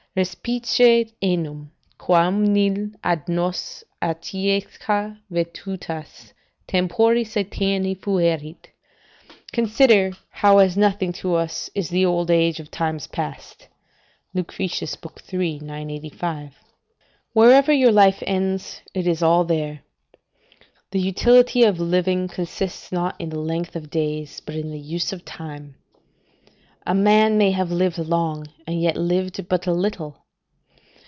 "'Respice enim, quam nil ad nos anteacta vetustas Temporis aeterni fuerit.' ["Consider how as nothing to us is the old age of times past." Lucretius iii. 985] Wherever your life ends, it is all there. The utility of living consists not in the length of days, but in the use of time; a man may have lived long, and yet lived but a little.